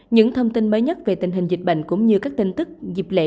những thông tin mới nhất về tình hình dịch bệnh cũng như các tin tức dịp lễ